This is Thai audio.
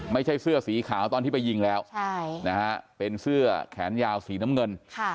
ไม่ใช่เสื้อสีขาวตอนที่ไปยิงแล้วเป็นเสื้อแขนยาวสีน้ำเงิน